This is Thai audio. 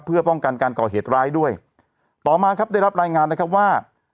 เพื่อป้องกันการก่อเหตุร้ายด้วยต่อมาครับได้รับรายงานนะครับว่า